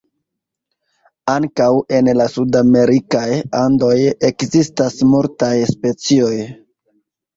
Ankaŭ en la sudamerikaj Andoj ekzistas multaj specioj.